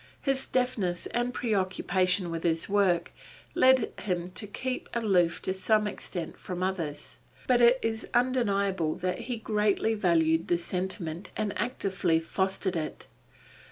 His deafness and preoccupation with his work, led him to keep aloof to some extent from others, but it is undeniable that he greatly valued this sentiment and actively fostered it.